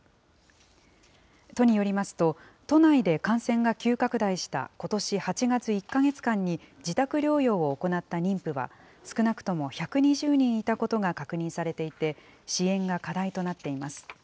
都によりますと、都内で感染が急拡大したことし８月、１か月間に自宅療養を行った妊婦は、少なくとも１２０人いたことが確認されていて、支援が課題となっています。